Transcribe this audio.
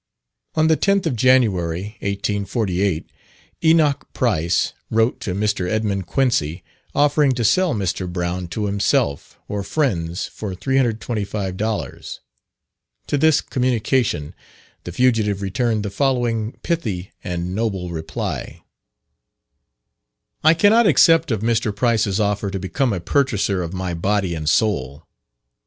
On the 10th of January, 1848, Enoch Price wrote to Mr. Edmund Quincy offering to sell Mr. Brown to himself or friends for 325 dollars. To this communication the fugitive returned the following pithy and noble reply: "I cannot accept of Mr. Price's offer to become a purchaser of my body and soul.